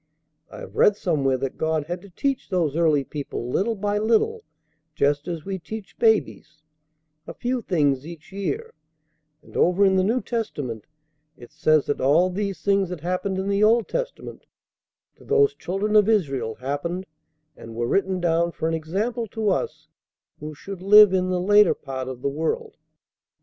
I have read somewhere that God had to teach those early people little by little just as we teach babies, a few things each year; and over in the New Testament it says that all these things that happened in the Old Testament to those children of Israel happened and were written down for an example to us who should live in the later part of the world.